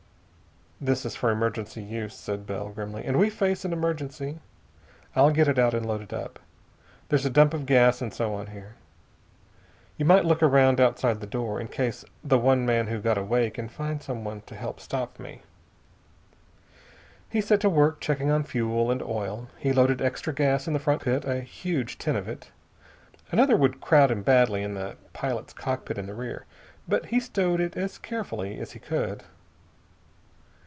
"This is for emergency use," said Bell grimly, "and we face an emergency. I'll get it out and load it up. There's a dump of gas and so on here. You might look around outside the door, in case the one man who got away can find someone to help stop me." He set to work checking on fuel and oil. He loaded extra gas in the front cockpit, a huge tin of it. Another would crowd him badly in the pilot's cockpit in the rear, but he stowed it as carefully as he could.